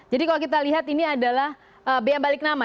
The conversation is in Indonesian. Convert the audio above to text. jadi kalau kita lihat ini adalah bea balik nama